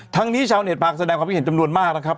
นี้ชาวเน็ตพากแสดงความคิดเห็นจำนวนมากนะครับ